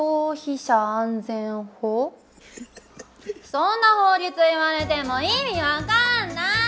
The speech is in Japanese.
そんな法律言われても意味分かんない！